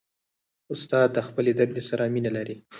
استاد د خپلې دندې سره مینه لري.